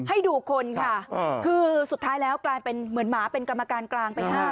ให้ดูคนค่ะคือสุดท้ายแล้วกลายเป็นเหมือนหมาเป็นกรรมการกลางไปห้า